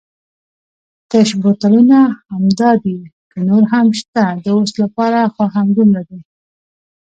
تش بوتلونه همدای دي که نور هم شته؟ د اوس لپاره خو همدومره دي.